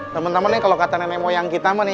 temen temen nih kalo kata nenek moyang kita